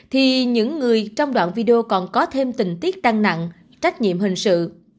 thì những người trong đoạn video còn có thêm tình tiết tăng nặng trách nhiệm hình sự